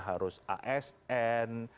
harus as dan